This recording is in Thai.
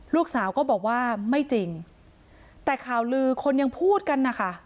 ลูกสาวก็บอกว่าไม่จริงแต่ข่าวลือคนยังพูดกันนะคะ